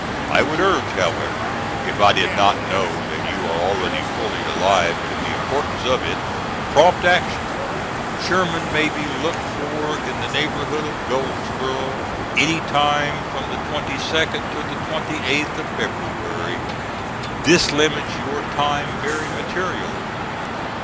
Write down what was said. I would urge, however, if I did not know that you are already fully alive to the importance of it, prompt action. Sherman may be looked for in the neighborhood of Goldsboro' any time from the 22d to the 28th of February; this limits your time very materially.